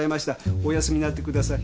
お休みになってください。